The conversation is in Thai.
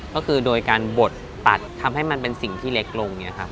ก็คือโดยการบดตัดทำให้มันเป็นสิ่งที่เล็กลง